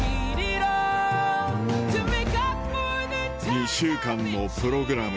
２週間のプログラム